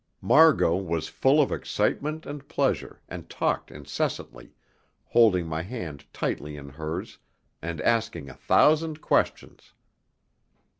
Margot was full of excitement and pleasure, and talked incessantly, holding my hand tightly in hers and asking a thousand questions.